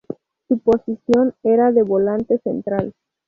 Su posición era de volante central.